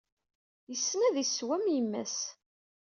Yessen ad yesseww am yemma-s.